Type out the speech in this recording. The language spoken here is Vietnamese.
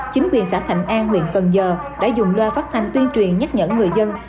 chính quyền xã thạnh an nguyện phần giờ đã dùng loa phát thanh tuyên truyền nhắc nhẫn người dân